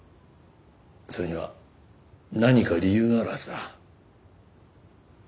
それには何か理由があるはずだ。